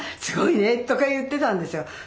「すごいね」とか言ってたんですよ。